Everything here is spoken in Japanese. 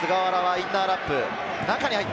菅原はインナーラップ。